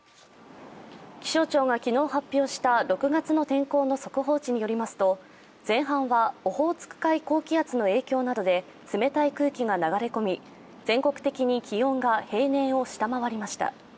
気象庁が昨日発表した６月の天候の速報値によりますと前半は、オホーツク海高気圧の影響などで冷たい空気が流れ込み全国的に気温が平年を下回りました。